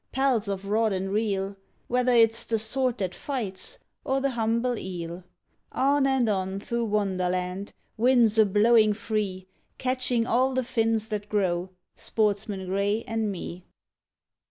Pals of rod and reel, Whether it's the sort that fights ... or th' humble eel, On and on, through Wonderland ... winds a blowin' free, Catching all th' fins that grow ... Sportsman Grey an' Me.